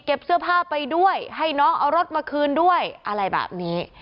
เสื้อผ้าไปด้วยให้น้องเอารถมาคืนด้วยอะไรแบบนี้